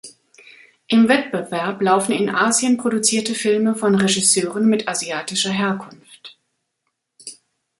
Im Wettbewerb laufen in Asien produzierte Filme von Regisseuren mit asiatischer Herkunft.